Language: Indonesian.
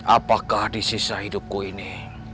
apakah di sisa hidupku ini